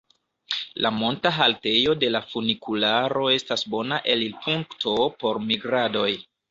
La monta haltejo de la funikularo estas bona elirpunkto por migradoj.